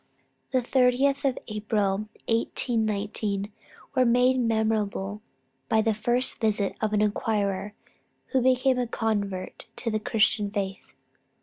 The 30th of April, 1819, was made memorable by the first visit of an inquirer who became a convert to the Christian faith.